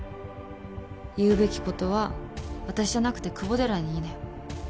言うべきことは私じゃなくて久保寺に言いなよ。